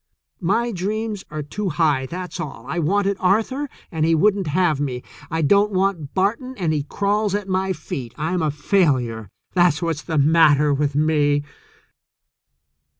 My dreams are too high, that's all. I wanted Arthur, and he wouldn't have me. I don't want Barton, and he crawls at my feet. I'm a failure, that's what's the matter with me."